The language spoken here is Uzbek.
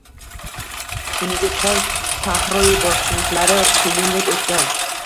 Chingisxon sahroyi bosqinchilari quyundek oʻtgan.